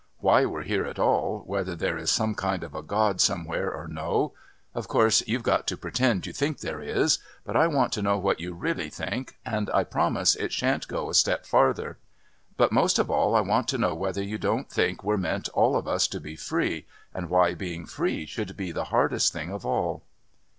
Why we're here at all, whether there is some kind of a God somewhere or no. Of course you've got to pretend you think there is, but I want to know what you really think and I promise it shan't go a step farther. But most of all I want to know whether you don't think we're meant all of us to be free, and why being free should be the hardest thing of all."